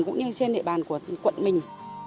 cũng như trên địa bàn của quận mình